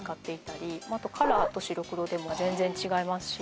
あとカラーと白黒でも全然違いますし。